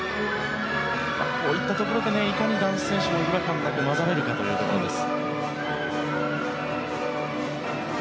こういったところでいかに男子選手が違和感なく交ざれるかというところです。